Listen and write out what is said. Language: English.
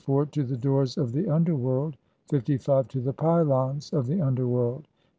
to the Doors of the Underworld, 55. to the Pylons of the Underworld, 56.